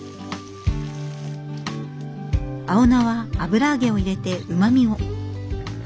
青菜は油揚げを入れてうまみを。